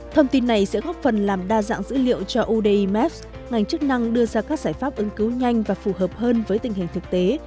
thông tin này sẽ góp phần làm đa dạng dữ liệu cho udmf ngành chức năng đưa ra các giải pháp ứng cứu nhanh và phù hợp hơn với tình hình thực tế